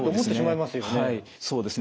そうですね。